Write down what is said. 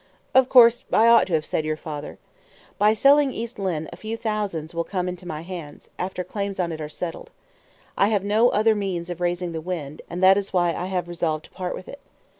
"Of course, I ought to have said your father. By selling East Lynne, a few thousands will come into my hands, after claims on it are settled; I have no other means of raising the wind, and that is why I have resolved to part with it.